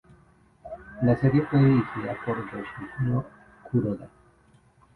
La serie fue dirigida por Yoshihiro Kuroda.